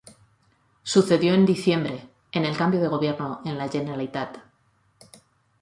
Esto sucedió en diciembre en el cambio de gobierno en la Generalitat.